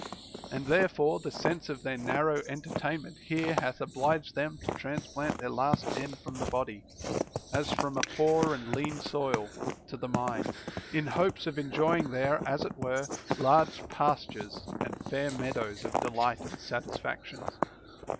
And therefore the sense of their narrow entertainment here hath obliged them to transplant their last end from the body, as from a poor and lean soil, VOL. II. 11 162 PLEASURE NOT ATTAINABLE to the mind, in hopes of enjoying there, as it were, large pastures and fair meadows of delights and satisfactions.